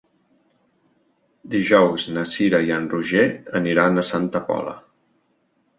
Dijous na Cira i en Roger aniran a Santa Pola.